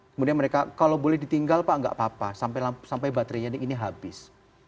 kemudian mereka kalau boleh ditinggal pak nggak apa apa sampai baterainya ini habis